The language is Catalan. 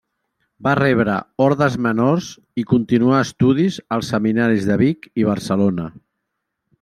Va rebre ordes menors i continuà estudis als seminaris de Vic i Barcelona.